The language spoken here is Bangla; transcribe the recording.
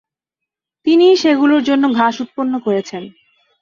তিনিই সেগুলোর জন্য ঘাস উৎপন্ন করেছেন।